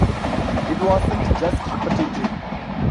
It wasn't just repetitive.